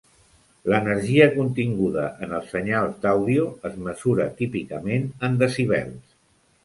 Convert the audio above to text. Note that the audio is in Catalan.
L'energia continguda en els senyals d'àudio es mesura típicament en decibels.